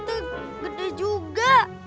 kecil kecil kentutku gede juga